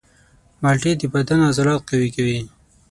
مالټې د بدن عضلات قوي کوي.